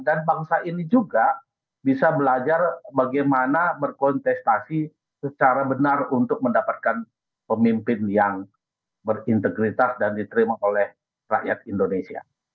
dan bangsa ini juga bisa belajar bagaimana berkontestasi secara benar untuk mendapatkan pemimpin yang berintegritas dan diterima oleh rakyat indonesia